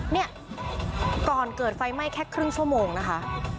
เนี่ยก่อนเกิดไฟไหม้แค่ครึ่งชั่วโมงนะคะ